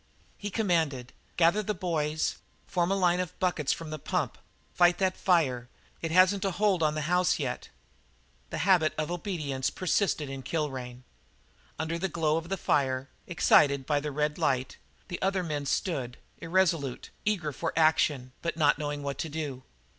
He commanded: "Gather the boys; form a line of buckets from the pump; fight that fire. It hasn't a hold on the house yet." The habit of obedience persisted in Kilrain. Under the glow of the fire, excited by the red light, the other man stood irresolute, eager for action, but not knowing what to do.